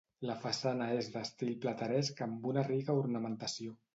La façana és d’estil plateresc amb una rica ornamentació.